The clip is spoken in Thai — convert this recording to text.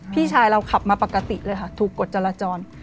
พี่ชายเราขับมาปกติเลยค่ะถูกกดจราจร